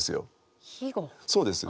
そうです。